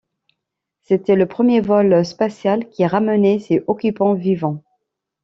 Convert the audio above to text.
C'était le premier vol spatial qui ramenait ses occupants vivants.